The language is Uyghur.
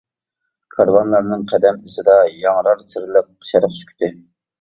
كارۋانلارنىڭ قەدەم ئىزىدا، ياڭرار سىرلىق شەرق سۈكۈتى.